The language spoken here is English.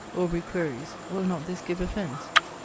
] Aubrey queries 'Will not this give offence?'